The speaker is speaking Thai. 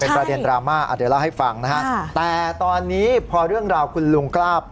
ประเด็นดราม่าเดี๋ยวเล่าให้ฟังนะฮะแต่ตอนนี้พอเรื่องราวคุณลุงกล้า